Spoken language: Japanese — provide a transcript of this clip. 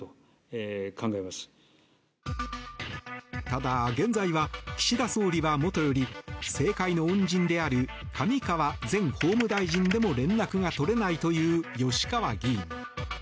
ただ、現在は岸田総理はもとより政界の恩人である上川前法務大臣でも連絡が取れないという吉川議員。